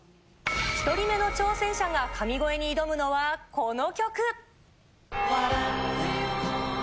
１人目の挑戦者が神声に挑むのはこの曲！